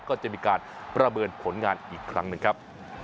ก็จะมีการประเมินผลงานอีกครั้งหนึ่งครับ